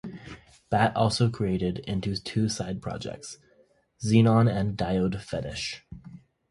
Bat also created into two side projects, Xenon and Diode Fetish.